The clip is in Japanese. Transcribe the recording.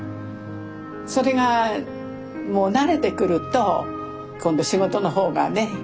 それがもう慣れてくると今度仕事の方がね